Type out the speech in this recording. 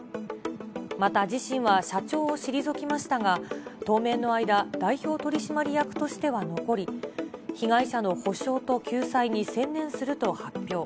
また自身は社長を退きましたが、当面の間、代表取締役としては残り、被害者の補償と救済に専念すると発表。